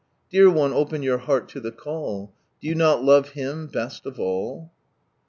Dear one, open your heart (o the call. Do you not love llim best of all ?